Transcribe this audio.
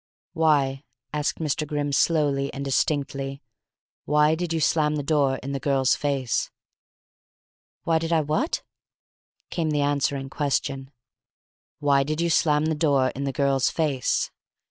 "Why," asked Mr. Grimm slowly and distinctly, "why did you slam the door in the girl's face?" "Why did I what?" came the answering question. "Why did you slam the door in the girl's face?"